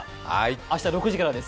明日６時からです。